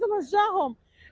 saya menjaga mereka